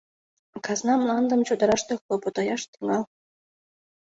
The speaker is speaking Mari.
Казна мландым чодыраште хлопотаяш тӱҥал.